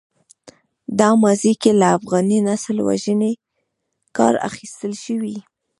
دا ماضي کې له افغاني نسل وژنې کار اخیستل شوی.